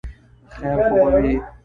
خیر خو به وي ؟